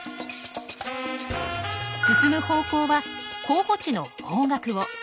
進む方向は候補地の方角を。